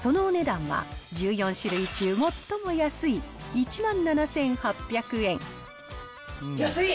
そのお値段は、１４種類中最も安い、安い。